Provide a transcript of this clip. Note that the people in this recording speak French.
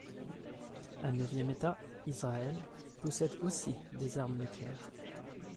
Un neuvième état, Israël, posséde aussi des armes nucléaires.